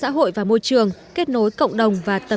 bảo vệ xã hội và môi trường kết nối cộng đồng và tầm nhìn a sem